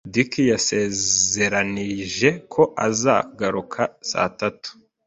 Dick yasezeranije ko azagaruka saa tatu.